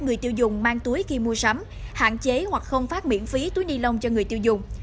người tiêu dùng mang túi khi mua sắm hạn chế hoặc không phát miễn phí túi ni lông cho người tiêu dùng